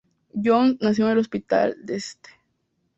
Jones nació en el hospital de St.